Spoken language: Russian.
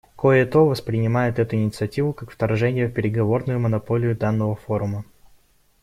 Кое-то вот воспринимает эту инициативу как вторжение в переговорную монополию данного форума.